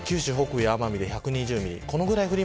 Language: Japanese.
九州北部や奄美で１２０ミリ。